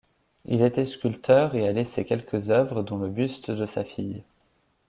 Il était sculpteur et a laissé quelques œuvres dont le buste de sa fille.